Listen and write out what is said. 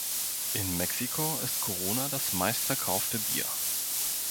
In Mexiko ist Corona das meistverkaufte Bier.